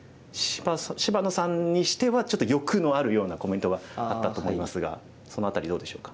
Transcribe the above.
芝野さんにしてはちょっと欲のあるようなコメントがあったと思いますがその辺りどうでしょうか？